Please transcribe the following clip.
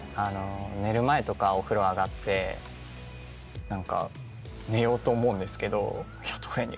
寝る前とかお風呂上がって寝ようと思うんですけど。